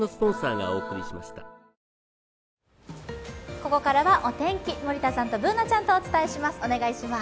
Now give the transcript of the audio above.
ここからはお天気、森田さんとＢｏｏｎａちゃんとお伝えします。